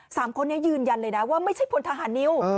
สามคนนี้ยืนยันเลยนะว่าไม่ใช่พลทหารนิว